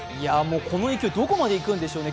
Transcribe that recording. この勢い、どこまでいくんでしょうね。